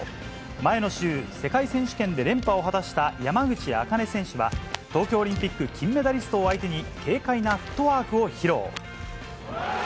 前の週、世界選手権で連覇を果たした山口茜選手は、東京オリンピック金メダリストを相手に、軽快なフットワークを披露。